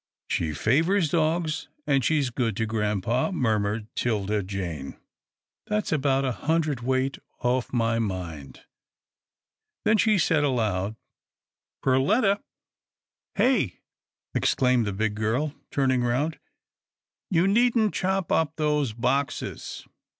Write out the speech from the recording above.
" She favours dogs, and she's good to grampa," murmured 'Tilda Jane. " That's about a hundred * weight off my mind." Then she said aloud, " Per letta!" " Hey !" exclaimed the big girl, turning round. " You needn't chop up those boxes.